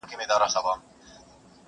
چي مي نه ګرځي سرتوري په کوڅو کي د پردیو،